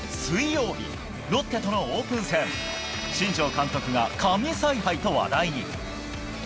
水曜日、ロッテとのオープン戦新庄監督が神采配と話題に。